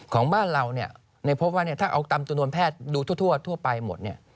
ของบ้านเราเนี่ยในพบว่าถ้าเอาตำตนวนแพทย์ดูทั่วทั่วไปหมดเนี่ย